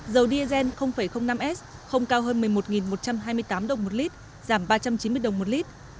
dầu diesel năm s không cao hơn một mươi một một trăm hai mươi tám đồng một lít giảm ba trăm chín mươi đồng một lít